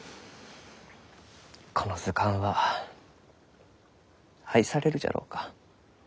この図鑑は愛されるじゃろうか？